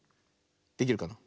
できるかな。